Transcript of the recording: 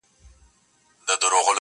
بل موږك سو د جرگې منځته ور وړاندي،